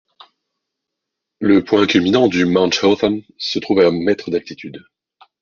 Le point culminant du Mount Hotham se trouve à mètres d'altitude.